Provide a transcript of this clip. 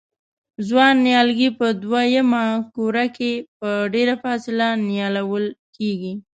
ځوان نیالګي په دوه یمه قوریه کې په ډېره فاصله نیالول کېږي.